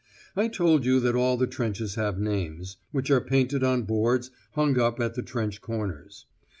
I told you that all the trenches have names (which are painted on boards hung up at the trench corners).